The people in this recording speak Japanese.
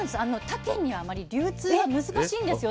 他県にはあまり流通が難しいんですよ。